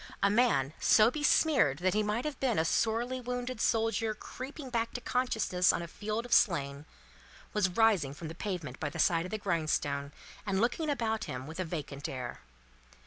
A man, so besmeared that he might have been a sorely wounded soldier creeping back to consciousness on a field of slain, was rising from the pavement by the side of the grindstone, and looking about him with a vacant air.